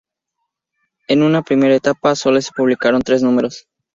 En una primera etapa sólo se publicaron tres números.